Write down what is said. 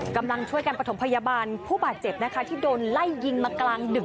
กำลังช่วยกันประถมพยาบาลผู้บาดเจ็บนะคะที่โดนไล่ยิงมากลางดึก